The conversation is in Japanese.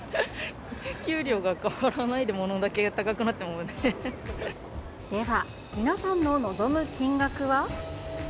給料が変わらないで、では、皆さんの望む金額は。